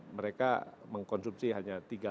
mereka mengkonsumsi hanya tiga